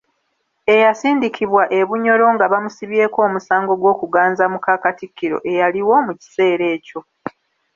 Eyasindikibwa e Bunyoro nga bamusibyeko omusango gw’okuganza muka Katikkiro eyaliwo mu kiseera ekyo.